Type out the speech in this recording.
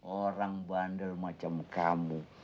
orang bander macam kamu